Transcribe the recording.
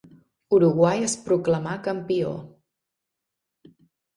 Uruguai es proclamà campió.